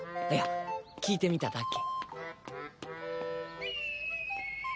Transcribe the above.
いや聞いてみただけ。